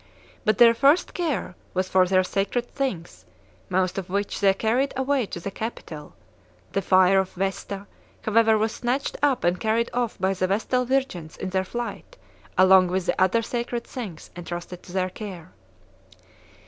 But their first care was for their sacred things, most of which they carried away to the Capitol; the fire of Vesta, however, was snatched up and carried off by the vestal virgins in their flight, along with the other sacred things entrusted to their care.